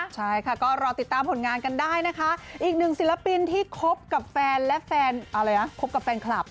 ใช่ค่ะก็รอติดตามผลงานกันได้นะคะอีกหนึ่งศิลปินที่คบกับแฟนและแฟนอะไรนะคบกับแฟนคลับ